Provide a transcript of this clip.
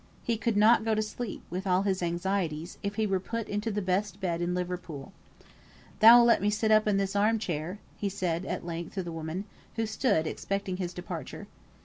He could not go to sleep, with all his anxieties, if he were put into the best bed in Liverpool. "Thou'lt let me sit up in this arm chair," said he at length to the woman, who stood, expecting his departure.